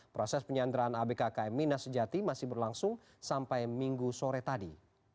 proses penyanderaan abk km mina sejati masih berlangsung sampai minggu sore tadi